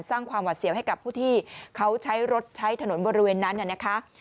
สร้างความหวัดเสียวให้กับผู้ที่เขาใช้รถใช้ถนนบริเวณนั้นนะคะ